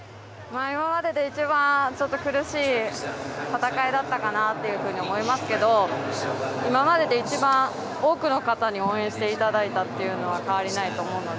今までで一番苦しい戦いだったかなと思いますけど今までで一番多くの方に応援していただいたのは変わりないと思うので。